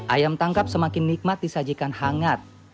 ayam tangkap semakin nikmat disajikan hangat